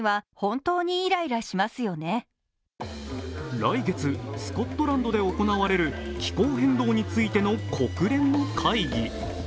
来月、スコットランドで行われる気候変動についての国連の会議。